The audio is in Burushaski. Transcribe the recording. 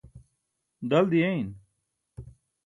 dal diyein